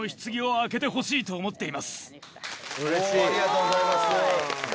ありがとうございます。